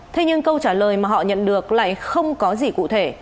thế nhưng câu trả lời mà họ nhận được lại không có gì cụ thể